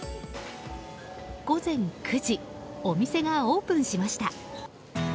午前９時お店がオープンしました。